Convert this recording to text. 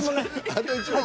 あと１問。